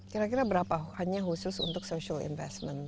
kira kira berapa hanya khusus untuk social investment